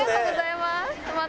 また。